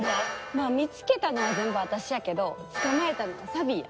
まあ見つけたのは全部私やけど捕まえたのはサビーや。